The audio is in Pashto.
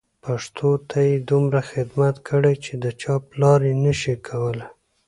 پښتو ته یې دومره خدمت کړی چې د چا پلار یې نه شي کولای.